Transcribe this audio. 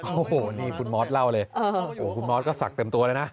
โอ้โหนี่คุณมอสเล่าเลยคุณมอสก็ศักดิ์เต็มตัวเลยนะ